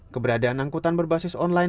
keberadaan angkutan berbasis online